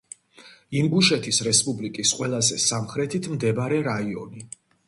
ინგუშეთის რესპუბლიკის ყველაზე სამხრეთით მდებარე რაიონი.